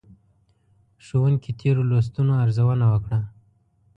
ښوونکي تېرو لوستونو ارزونه وکړه.